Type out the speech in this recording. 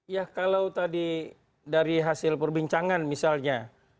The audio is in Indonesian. ya kalau tadi dari hasil perbincangan misalnya